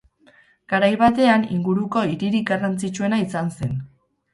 Garai batean inguruko hiririk garrantzitsuena izan zen.